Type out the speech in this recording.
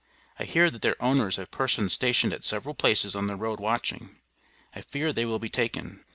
I hear that their owners have persons stationed at several places on the road watching. I fear they will be taken.